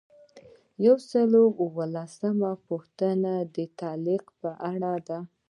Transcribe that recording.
یو سل او اووه لسمه پوښتنه د تعلیق په اړه ده.